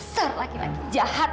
ser laki laki jahat